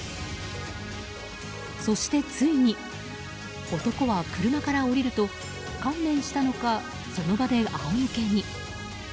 そしてついに男は車から降りると観念したのか、その場で仰向けに。